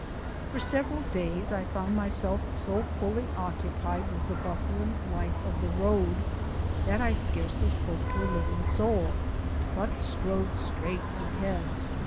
For several days I found myself so fully occupied with the bustling life of the Road that I scarcely spoke to a living soul, but strode straight ahead.